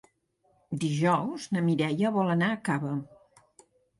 Dijous na Mireia vol anar a Cava.